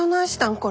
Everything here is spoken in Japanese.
これ。